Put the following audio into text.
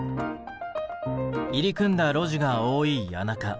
入り組んだ路地が多い谷中。